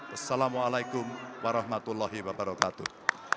assalamu'alaikum warahmatullahi wabarakatuh